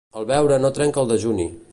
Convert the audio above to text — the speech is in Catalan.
El beure no trenca el dejuni.